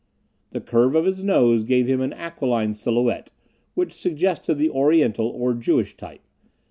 The curve of his nose gave him an aquiline silhouette, which suggested the Oriental or Jewish type.